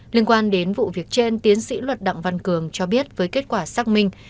liên quan đến vụ việc trên tiến sĩ luật đặng văn cường cho biết với kết quả xác minh